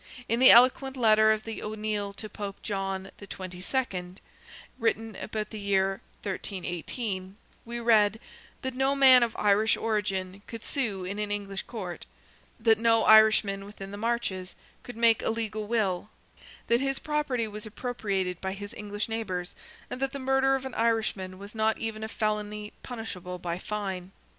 In the eloquent letter of the O'Neil to Pope John XXII.—written about the year 1318—we read, that no man of Irish origin could sue in an English court; that no Irishman, within the marches, could make a legal will; that his property was appropriated by his English neighbours; and that the murder of an Irishman was not even a felony punishable by fine.